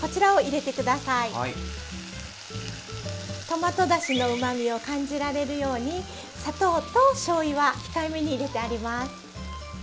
トマトだしのうまみを感じられるように砂糖としょうゆは控えめに入れてあります。